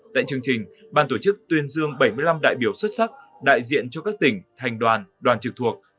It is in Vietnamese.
tại chương trình ban tổ chức tuyên dương bảy mươi năm đại biểu xuất sắc đại diện cho các tỉnh thành đoàn đoàn trực thuộc